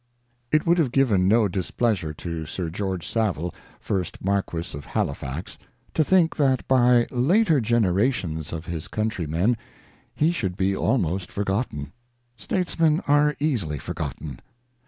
It would have given no displeasure to Sir George Savile, First Marquess of Halifax, to think that by later generations of his countrymen he should be almost forgotten. States men are easily forgotten.